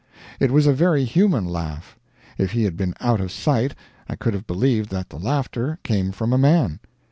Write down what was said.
It was a very human laugh. If he had been out of sight I could have believed that the laughter came from a man.